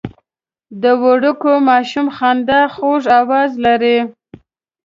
د وړوکي ماشوم خندا خوږ اواز لري.